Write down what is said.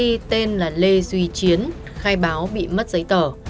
công ty tên là lê duy chiến khai báo bị mất giấy tờ